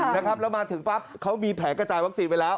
แล้วมาถึงปั๊บเขามีแผนกระจายวัคซีนไปแล้ว